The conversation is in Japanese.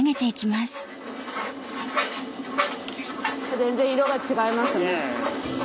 全然色が違いますね。